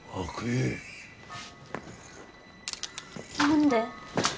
何で。